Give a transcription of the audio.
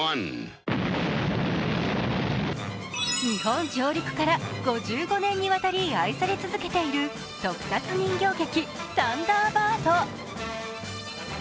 日本上陸から５５年にわたり、愛され続けている特撮人形劇「サンダーバード」。